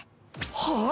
はあ